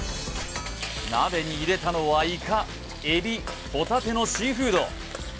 鍋に入れたのはイカエビホタテのシーフード